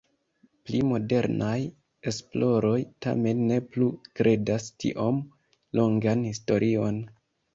Pli modernaj esploroj tamen ne plu kredas tiom longan historion.